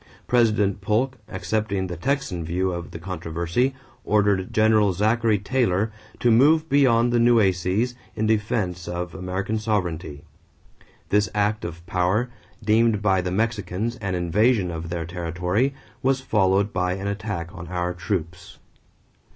President Polk, accepting the Texan view of the controversy, ordered General Zachary Taylor to move beyond the Nueces in defense of American sovereignty. This act of power, deemed by the Mexicans an invasion of their territory, was followed by an attack on our troops.